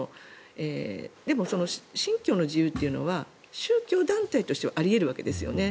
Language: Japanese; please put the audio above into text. でも信教の自由というのは宗教団体としてはあり得るわけですよね。